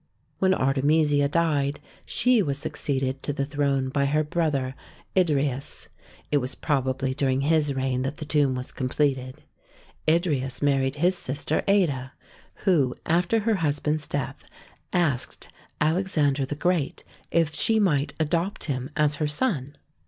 When Artemisia died, she was succeeded to the throne by her brother Idrieus. It was probably during his reign that the tomb was completed. Idrieus married his sister Ada, who, after her husband's death, asked Alexander the Great if she might adopt him as her son.